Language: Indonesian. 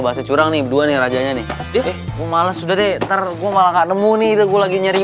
bisa curang nih dua nih rajanya nih deh malah sudah dek terlalu malah nemu nih itu lagi nyari